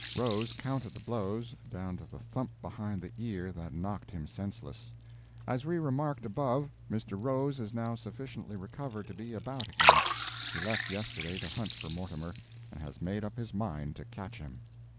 Rose counted the blows, down to the thump behind the ear that knocked him senseless. As we remarked above, Mr. Rose is now sufficiently recovered to be about again. He left yesterday to hunt for Mortimer, and has made up his mind to catch him.